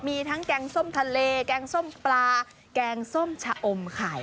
มีทั้งแกงส้มทะเลแกงส้มปลาแกงส้มชะอมไข่